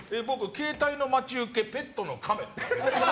携帯の待ち受け、ペットのカメ。